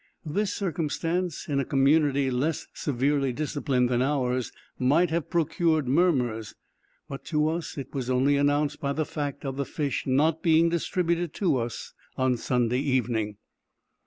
This circumstance, in a community less severely disciplined than ours, might have procured murmurs; but to us it was only announced by the fact of the fish not being distributed to us on Sunday evening.